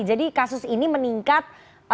jadi kasus ini meningkat